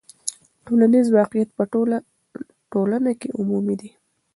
ټولنیز واقعیت په ټوله ټولنه کې عمومي دی.